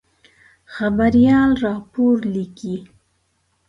خبریال راپور لیکي.